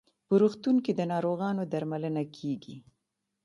په روغتون کې د ناروغانو درملنه کیږي.